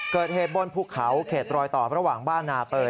เกิดเหตุบนภูเขาเขตรอยต่อระหว่างบ้านนาเตย